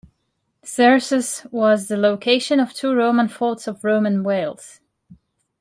Caersws was the location of two Roman forts of Roman Wales.